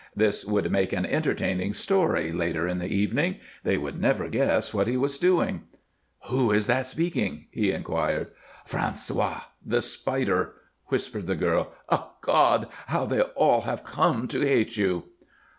This would make an entertaining story, later in the evening; they would never guess what he was doing. "Who is that speaking?" he inquired. "François, the Spider," whispered the girl. "Eh, God! How they all have come to hate you!"